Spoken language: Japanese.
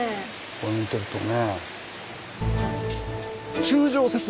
これ見てるとね。